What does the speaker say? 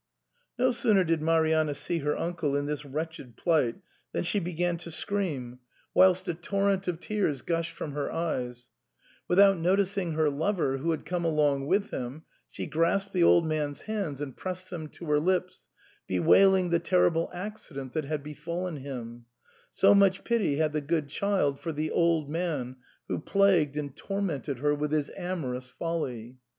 No sooner did Marianna see her uncle in this wretched plight than she began to scream, whilst a 112 SIGNOR FORMICA. torrent of tears gushed from her eyes ; without noticing her lover, who had come along with him, she grasped the old man's hands and pressed them to her lips, be wailing the terrible accident that had befallen him — ^so much pity had the good child for the old man who plagued and tormented her with his amorous folly.